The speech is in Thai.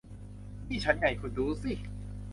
นี่ฉันไง คุณดูสิ